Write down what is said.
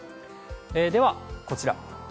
では、こちら。